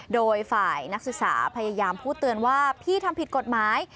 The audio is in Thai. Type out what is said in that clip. โดยฝ่ายนักศึกษาพยายามพูดเตือนว่าพี่ทำผิดกฎหมาย